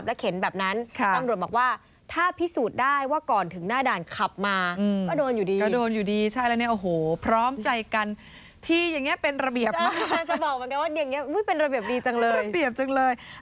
เป็นระเบียบรับดีจังเลย